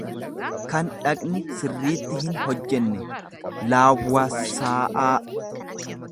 kan dhaqni sirriitti hinhojjenne, laawwassaa'aaa.